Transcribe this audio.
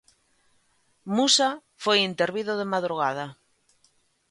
Musa foi intervido de madrugada.